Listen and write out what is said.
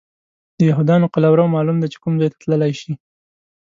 د یهودانو قلمرو معلوم دی چې کوم ځای ته تللی شي.